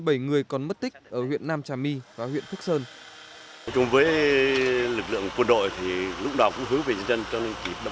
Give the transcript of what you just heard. những người còn mất tích ở huyện nam trà my và huyện phúc sơn